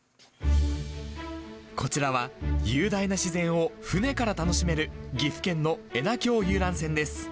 こちらは雄大な自然を船から楽しめる、岐阜県の恵那峡遊覧船です。